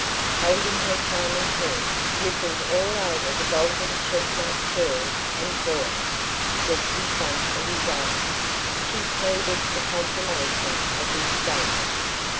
Holding her charming head, rippled all over with goldenchestnut curls and coils, just in front of his eyes, she pleaded for confirmation of this statement.